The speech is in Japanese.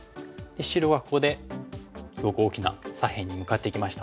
白はここですごく大きな左辺に向かっていきました。